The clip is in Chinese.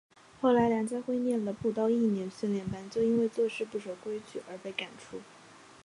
后来梁家辉念了不到一年训练班就因为做事不守规矩被赶出。